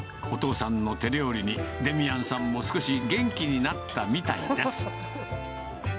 お父さんの手料理にデミアンさんも少し元気になったみたいです。